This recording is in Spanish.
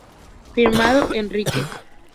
Firmado: Enrique.